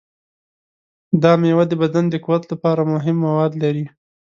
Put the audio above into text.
دا میوه د بدن د قوت لپاره مهم مواد لري.